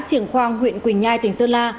đã triển khoang huyện quỳnh nhai tỉnh sơn la